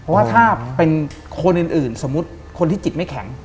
ว่าถ้าเป็นคนอื่นสมมุติคนที่จิตไม่แข็ง